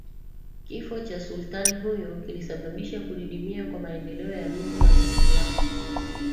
Kifo cha Sultani huyo kilisababisha kudidimia kwa maendeleo ya mji wa Dar es Salaam